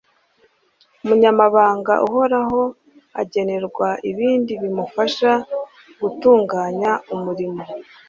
umunyamabanga uhoraho agenerwa ibindi bimufasha gutunganya umurimo